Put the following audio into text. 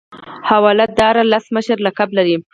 حواله دار لس مشر لقب لري.